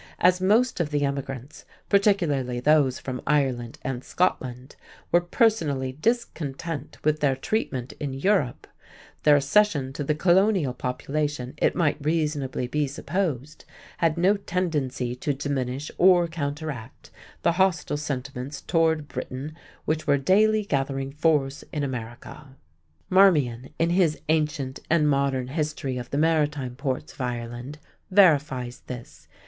As most of the emigrants, particularly those from Ireland and Scotland, were personally discontent with their treatment in Europe, their accession to the colonial population, it might reasonably be supposed, had no tendency to diminish or counteract the hostile sentiments toward Britain which were daily gathering force in America." Marmion, in his Ancient and Modern History of the Maritime Ports of Ireland, verifies this.